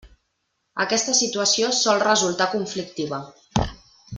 Aquesta situació sol resultar conflictiva.